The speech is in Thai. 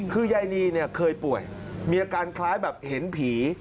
คือยายนีเนี่ยเคยป่วยมีอาการคล้ายแบบเห็นผี